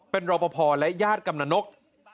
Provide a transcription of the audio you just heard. เป็นรอปภและญาติกำลังนก